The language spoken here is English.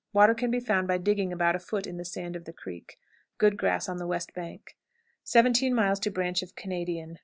Water can be found by digging about a foot in the sand of the creek. Good grass on the west bank. 17. Branch of Canadian.